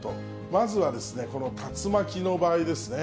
まずはこの竜巻の場合ですね。